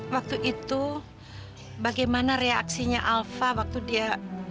waktu itu bagaimana reaksinya alpha waktu dia